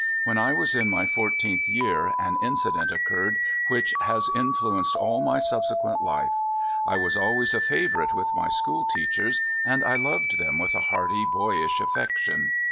When I was in my four teenth year an incident occurred which has influ enced all my subsequent life. I was ahvays a favor ite with my school teachers, and T loved them with Blighted. 61 a hearty boyish affection.